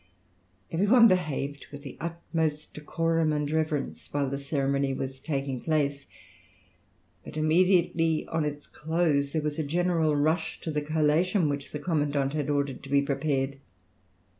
Every one behaved with the utmost decorum and reverence while the ceremony was taking place; but immediately on its close there was a general rush to the collation which the commandant had ordered to be prepared.